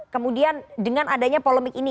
kemudian dengan adanya polemik ini